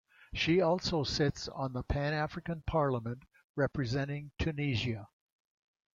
She also sits on the Pan-African Parliament representing Tunisia.